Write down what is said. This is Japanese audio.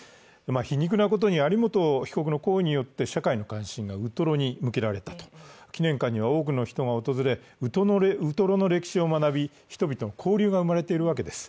皮肉なことに有本被告の行為によって社会の関心がウトロに向けられた祈念館には多くの人が訪れ、ウトロの歴史を学び人々の交流が生まれているわけです。